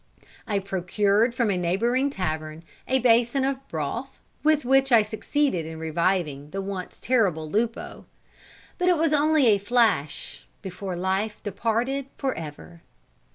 I procured from a neighbouring tavern a bason of broth with which I succeeded in reviving the once terrible Lupo; but it was only a flash before life departed for ever.